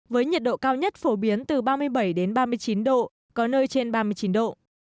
với nhiệt độ cao nhất phổ biến từ ba mươi bảy đến ba mươi chín độ có nơi trên ba mươi chín độ